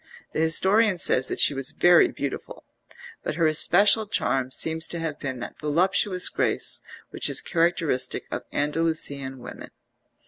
The historian says that she was very beautiful, but her especial charm seems to have been that voluptuous grace which is characteristic of Andalusian women.